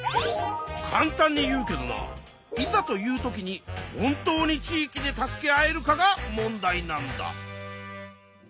かん単に言うけどないざという時に本当に地域で助け合えるかが問題なんだ。